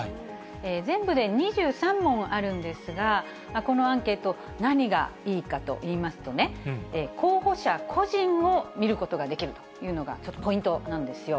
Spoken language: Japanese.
全部で２３問あるんですが、このアンケート、何がいいかといいますとね、候補者個人を見ることができるというのが、ちょっとポイントなんですよ。